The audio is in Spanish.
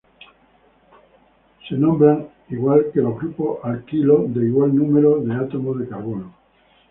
Se nombran igual que los grupos alquilo de igual número de átomos de carbono.